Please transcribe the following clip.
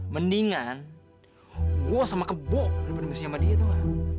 mendingan gue sama kebo lebih dari masih sama dia tau gak